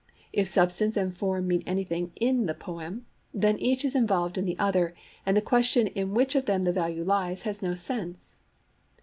If substance and form mean anything in the poem, then each is involved in the other, and the question in which of them the value lies has no sense.